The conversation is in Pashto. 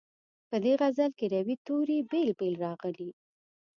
په دې غزل کې روي توري بېل بېل راغلي.